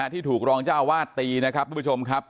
ที่ถูกรองเจ้าวาดตีนะครับทุกผู้ชมครับ